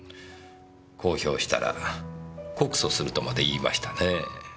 公表したら告訴するとまで言いましたねぇ。